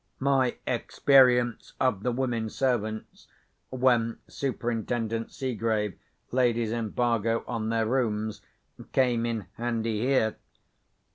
My experience of the women servants, when Superintendent Seegrave laid his embargo on their rooms, came in handy here.